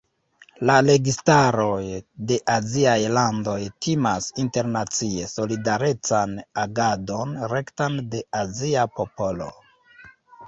La registaroj de aziaj landoj timas internacie solidarecan agadon rektan de azia popolo.